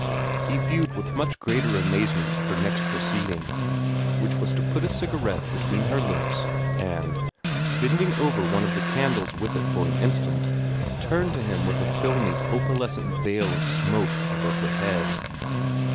He viewed with much greater amazement her next proceeding which was to put a cigarette between her lips, and, bending over one of the candles with it for an instant, turn to him with a filmy, opalescent veil of smoke above her head.